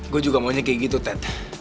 gue juga maunya kayak gitu ted